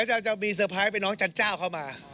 ก็เดี๋ยวจะมีเซอร์ไพรต์เป็นน้องจันเจ้าเขามา